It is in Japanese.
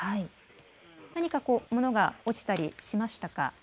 何か物が落ちたりしましたか。